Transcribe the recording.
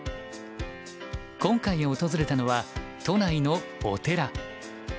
今回訪れたのは都内のお寺。